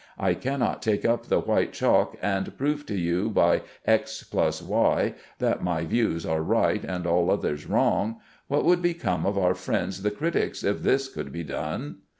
I cannot take up the white chalk and prove to you by x + y that my views are right and all others wrong. What would become of our friends the critics, if this could be done?